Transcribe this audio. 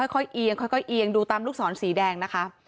ค่อยเอียงดูตามลูกสอนสีแดงนะค่ะ